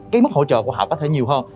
cái mức hỗ trợ của họ có thể nhiều hơn